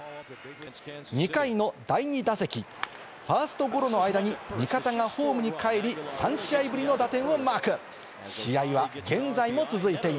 ２回の第２打席、ファーストゴロの間に味方がホームにかえり、３試合ぶりの打点をマーク。